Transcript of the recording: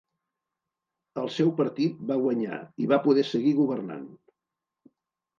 El seu partit va guanyar i va poder seguir governant.